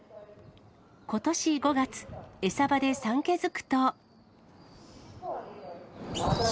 ことし５月、餌場で産気づくと。